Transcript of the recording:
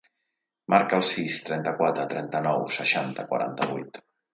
Marca el sis, trenta-quatre, trenta-nou, seixanta, quaranta-vuit.